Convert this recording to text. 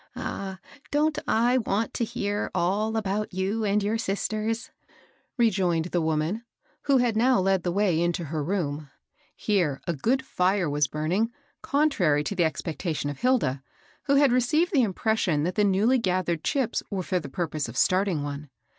^^ Ah ! don't I want to hear all about you and your sisters ?" rejoined the woman, who had now led the way into her room. Here^ «c ^i'A ^<i ^^m^ 268 KABEL BOSS. ^ buming, contrary to the expectation of Hilda, who had received the impression that the newly ^tb ered chips were for the pnipose of starting one.